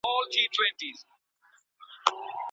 که په کمپیوټر کي وایرس وي نو ایډیټور په سمه توګه نه کار کوي.